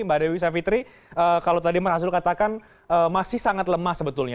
mbak dewi savitri kalau tadi mas azul katakan masih sangat lemah sebetulnya